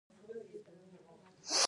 سایپا بل موټر جوړوونکی شرکت دی.